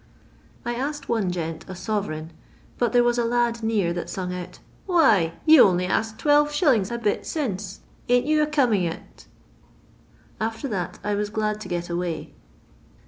' I asked one gent a sove reign, but there was a hid near that sung out, * Why, you only axed 12«. a bit since ; ain't you a coming it V After that, I was glad to get away.